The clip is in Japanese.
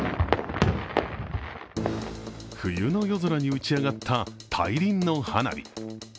冬の夜空に打ち上がった大輪の花火。